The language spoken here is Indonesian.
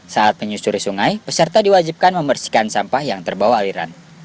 saat menyusuri sungai peserta diwajibkan membersihkan sampah yang terbawa aliran